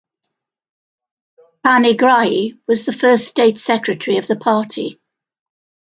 Panigrahi was the first state secretary of the party.